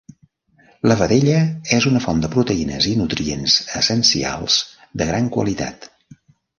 La vedella és una font de proteïnes i nutrients essencials de gran qualitat.